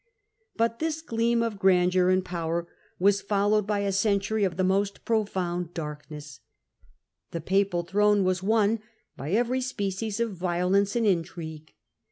But this gleam of grandeur and power was followed by Digitized by VjOOQIC 12 HiLDBBRAND a century of the most profound darkness. The papal throne was won by every species of violence and intrigue.